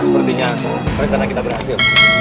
sepertinya perintah kita berhasil